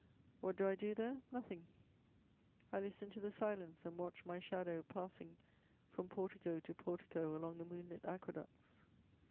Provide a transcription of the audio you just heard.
_ What do I do there? Nothing: I listen to the silence and watch my shadow passing from portico to portico along the moonlit aqueducts.